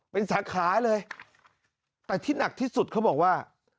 เป็นสาขาเลยแต่ที่หนักที่สุดเขาบอกว่า